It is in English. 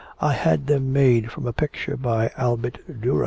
I had them made from a picture by Albert Durer.'